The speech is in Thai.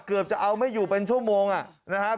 เกือบจะเอาไม่อยู่เป็นชั่วโมงนะครับ